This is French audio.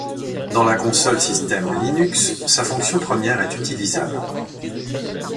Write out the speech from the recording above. Dans la console système Linux, sa fonction première est utilisable.